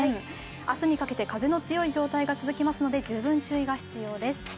明日にかけて風の強い状態が続きますので十分、注意が必要です。